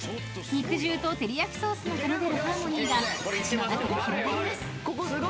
［肉汁とテリヤキソースの奏でるハーモニーが口の中で広がります］